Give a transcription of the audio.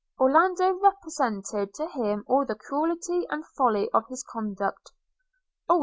Orlando represented to him all the cruelty and folly of his conduct. – 'Oh!